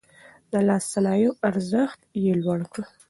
د لاس صنايعو ارزښت يې لوړ کړ.